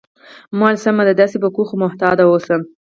ما وویل: سمه ده، داسې به کوو، خو محتاط اوسه.